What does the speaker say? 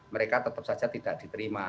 mereka tetap saja tidak diterima